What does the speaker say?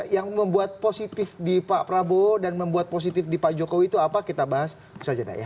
yang membuat positif di pak prabowo dan membuat positif di pak jokowi itu apa kita bahas saja